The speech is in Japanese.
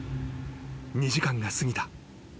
［２時間が過ぎた。